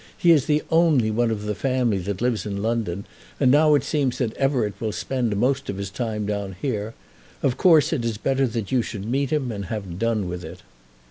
He is the only one of the family that lives in London, and now it seems that Everett will spend most of his time down here. Of course it is better that you should meet him and have done with it."